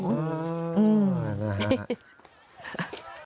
อืม